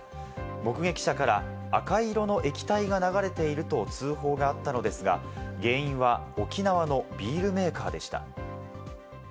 目撃者から赤い色の液体が流れていると通報があったのですが、原因は沖縄のビールメーカーでした。